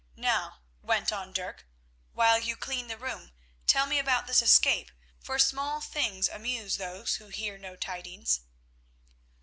"Now," went on Dirk, "while you clean the room, tell me about this escape, for small things amuse those who hear no tidings."